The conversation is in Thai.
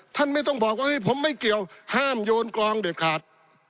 ท่านไม่ต้องบอกว่าผมไม่เกี่ยวห้ามโยนกรองเด็ดขาด